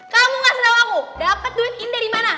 kamu gak sedang aku dapet duit ini dari mana